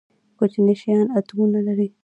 کوچني شیان اتومونه لري